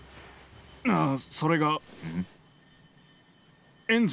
ああそれがうん？